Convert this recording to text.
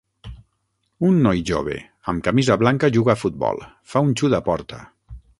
Un noi jove amb camisa blanca juga a futbol, fa un xut a porta.